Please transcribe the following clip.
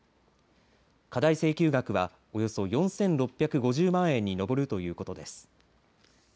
過大請求額はおよそ４６５０万円に上るということです。